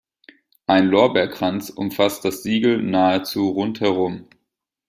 Ein Lorbeerkranz umfasst das Siegel nahezu rundherum.